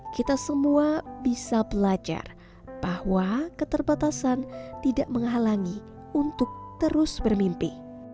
kita semua bisa belajar bahwa keterbatasan tidak menghalangi untuk terus bermimpi